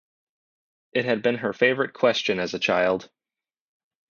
It had been her favourite question as a child.